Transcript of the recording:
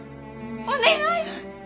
お願い！